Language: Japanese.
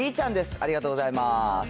ありがとうございます。